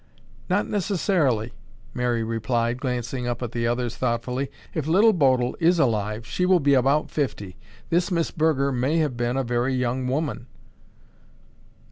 "Not necessarily," Mary replied, glancing up at the others thoughtfully. "If Little Bodil is alive, she will be about fifty. This Miss Burger may have been a very young woman."